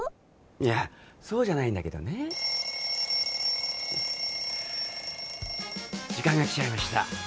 いやそうじゃないんだけどね時間が来ちゃいました